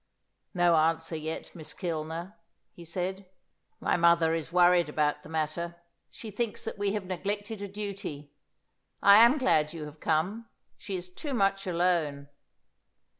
"No answer yet, Miss Kilner," he said. "My mother is worried about the matter. She thinks that we have neglected a duty. I am glad you have come. She is too much alone."